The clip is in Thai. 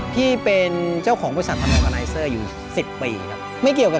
พี่เป็นเจ้าของผู้ชัดอยู่สิบปีครับไม่เกี่ยวกับ